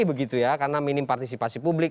begitu ya karena minim partisipasi publik